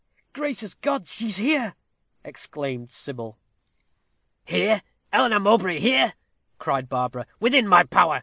"Gracious God! She here!" exclaimed Sybil. "Here! Eleanor Mowbray here," cried Barbara; "within my power.